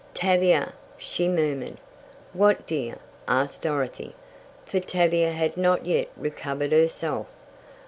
"Tavia!" she murmured. "What, dear?" asked Dorothy, for Tavia had not yet recovered herself.